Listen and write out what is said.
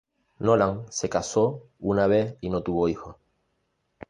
Nolan se casó una vez y no tuvo hijos.